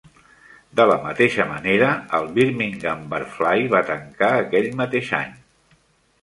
De la mateixa manera, el Birmingham Barfly va tancar aquell mateix any.